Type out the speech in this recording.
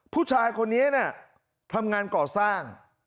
ผู้ชายคนนี้ทำงานก่อสร้าง